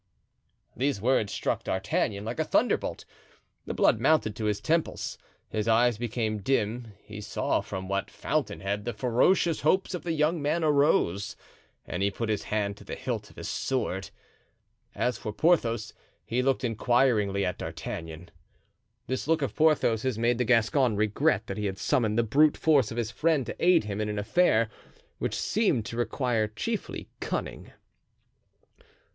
These words struck D'Artagnan like a thunderbolt. The blood mounted to his temples, his eyes became dim; he saw from what fountainhead the ferocious hopes of the young man arose, and he put his hand to the hilt of his sword. As for Porthos, he looked inquiringly at D'Artagnan. This look of Porthos's made the Gascon regret that he had summoned the brute force of his friend to aid him in an affair which seemed to require chiefly cunning.